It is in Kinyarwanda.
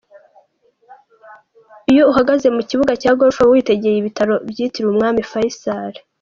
Iyo uhagaze mu kibuga cya Golf uba witegeye ibitaro byitiriwe Umwami Faisal.